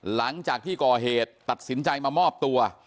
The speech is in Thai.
หลังจากที่ก่อเหตุตัดสินใจมามอบตัว